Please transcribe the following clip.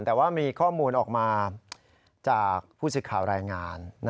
แต่ว่ามีข้อมูลออกมาจากผู้สื่อข่าวรายงาน